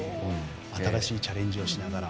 新しいチャレンジをしながら。